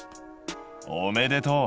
おめでとう！